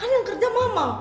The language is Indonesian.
kan yang kerja mama